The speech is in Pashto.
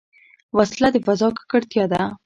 وسله د فضا ککړتیا ده